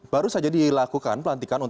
baru saja dilakukan pelantikan